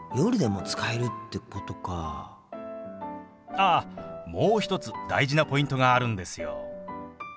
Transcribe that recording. あっもう一つ大事なポイントがあるんですよ。